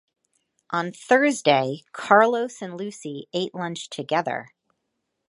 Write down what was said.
On Thursday, Carlos and Lucy ate lunch together.